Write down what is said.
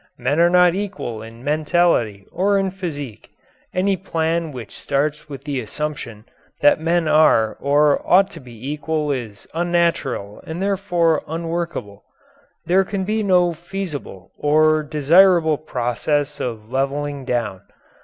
Men are not equal in mentality or in physique. Any plan which starts with the assumption that men are or ought to be equal is unnatural and therefore unworkable. There can be no feasible or desirable process of leveling down.